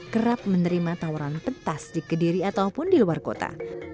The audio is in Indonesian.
kerap menerima tawaran petas di kediri ataupun di luar kota